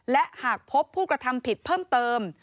และหากพบผู้กระทำผิดเพิ่มเติม